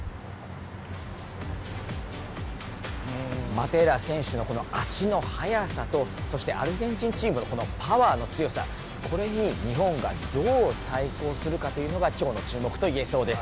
マテーラ選手のこの足の速さと、そしてアルゼンチンチームのこのパワーの強さ、これに日本がどう対抗するかというのが、きょうの注目といえそうです。